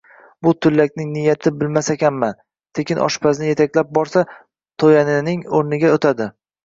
Bu tullakning niyatini bilmasamakan, tekin oshpazni yetaklab borsa, to‘yananing o‘rniga o‘tadi